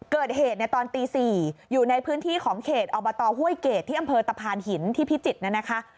เกิดเหตุในตอนตี๔อยู่ในพื้นที่ของเขตอบตห้วยเกรดที่อำเภอตะพานหินที่พิจิตรนะคะ